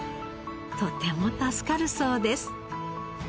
とても助かるそうです。